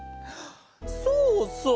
そうそう！